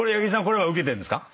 これはウケてるんですか？